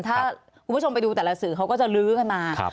ถ้าคุณผู้ชมไปดูแต่ละสื่อเขาก็จะลื้อกันมา